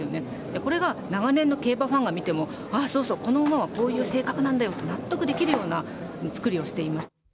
これが長年の競馬ファンが見ても、ああ、そうそう、この馬はこういう性格なんだよと、納得できるような作りをしています。